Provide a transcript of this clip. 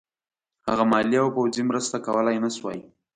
هغه مالي او پوځي مرسته کولای نه شوای.